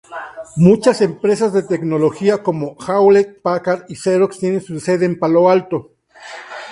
Muchas empresas de tecnología, como Hewlett-Packard y Xerox, tienen su sede en Palo Alto.